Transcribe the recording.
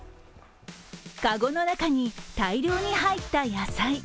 かごの中に大量に入った野菜。